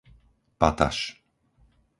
Pataš